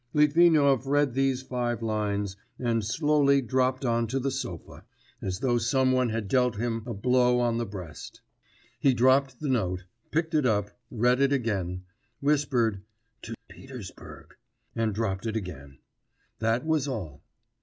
Litvinov read these five lines, and slowly dropped on to the sofa, as though some one had dealt him a blow on the breast. He dropped the note, picked it up, read it again, whispered 'to Petersburg,' and dropped it again; that was all.